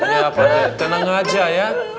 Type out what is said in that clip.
ya pak dea tenang aja ya